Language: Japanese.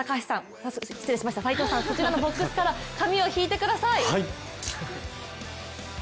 斎藤さん、そちらのボックスから紙を引いてください。